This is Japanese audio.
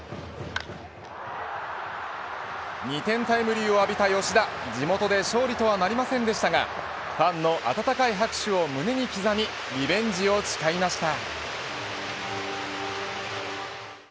２点タイムリーを浴びた吉田地元で勝利とはなりませんでしたがファンの温かい拍手を胸に刻みリベンジを誓いました。